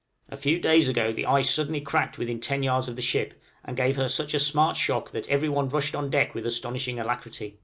A few days ago the ice suddenly cracked within ten yards of the ship, and gave her such a smart shock that every one rushed on deck with astonishing alacrity.